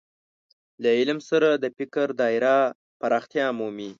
له علم سره د فکر دايره پراختیا مومي.